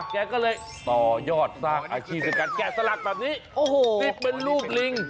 แกก็เลยต่อยอดสร้างอาชีพการแกสลักแบบนี้ติดเป็นรูปลิง